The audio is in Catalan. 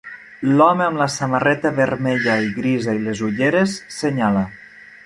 L'home amb la samarreta vermella i grisa i les ulleres senyala.